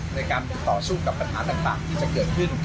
ในการต่อสู้กับปัญหาต่างที่จะเกิดขึ้น